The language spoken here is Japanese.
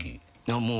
もう。